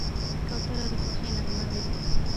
کوتره د خوښۍ نغمه لري.